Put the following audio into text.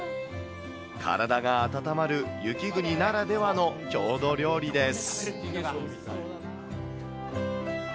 体が温まる、雪国ならではの郷土料理です。